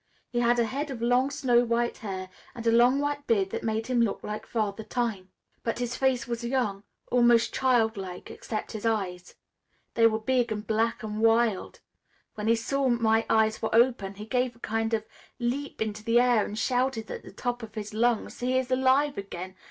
He had a head of long snow white hair and a long white beard that made him look like Father Time. But his face was young, almost child like, except his eyes. They were big and black and wild. When he saw my eyes were open he gave a kind of leap into the air and shouted at the top of his lungs: 'He is alive again!